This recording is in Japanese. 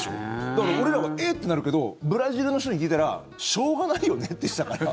だから俺らは、え？ってなるけどブラジルの人に聞いたらしょうがないよねって言ってたから。